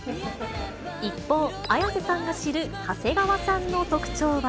一方、綾瀬さんが知る長谷川さんの特徴は。